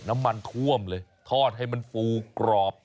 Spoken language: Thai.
น้ำมันท่วมเลยทอดให้มันฟูกรอบ